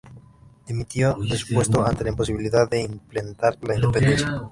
Dimitió de su puesto ante la imposibilidad de implementar la independencia.